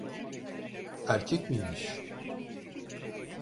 Erkek miymiş?